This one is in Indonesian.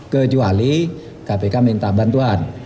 kecuali kpk minta bantuan